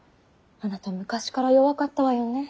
あなた昔から弱かったわよね。